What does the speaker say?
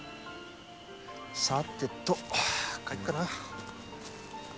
さてと帰っかな。